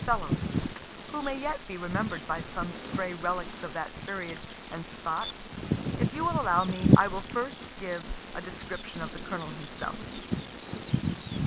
Fellows, who may yet be remember'd by some stray relics of that period and spot. If you will allow me, I will first give a description of the Colonel himself.